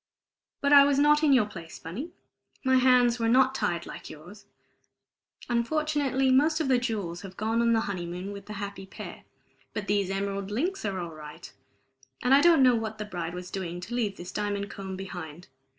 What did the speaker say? But I was not in your place, Bunny. My hands were not tied like yours. Unfortunately, most of the jewels have gone on the honeymoon with the happy pair; but these emerald links are all right, and I don't know what the bride was doing to leave this diamond comb behind.